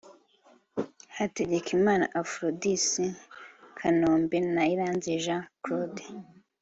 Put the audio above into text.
Hatekegimana Afrodis ‘Kanombe’na Iranzi Jean Claude